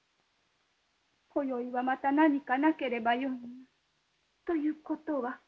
こよいはまた何かなければよいが。ということは？